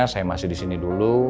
saya masih di sini dulu